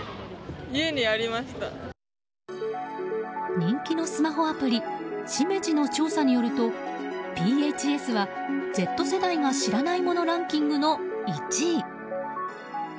人気のスマホアプリＳｉｍｅｊｉの調査によるとＰＨＳは、Ｚ世代が知らないモノランキングの１位。